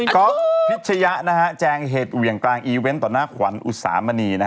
ก๊อฟพิชยะแจงเหตุเหวี่ยงกลางอีเวนต์ต่อหน้าขวัญอุตสามณี